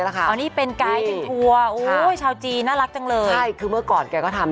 อรินี่ป็นไกรต์เป็นพวกชาวจีนน่ารักจังเลยใช่คือเมื่อก่อนแกก็เอาว่า